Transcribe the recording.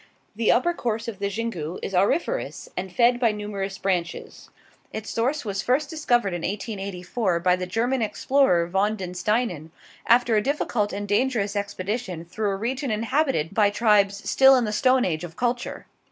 The upper course of the Xingu is auriferous and fed by numerous branches. Its source was first discovered in 1884 by the German explorer von den Steinen, after a difficult and dangerous expedition through a region inhabited by tribes still in the Stone Age of culture.